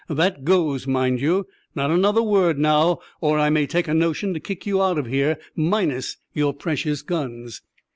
That goes, mind you! Not another word, now, or I may take a notion to kick you out of here, minus your precious guns!"